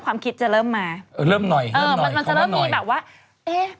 ความคิดจะเริ่มมาเออเริ่มหน่อยเออมันมันจะเริ่มมีแบบว่าเอ๊ะ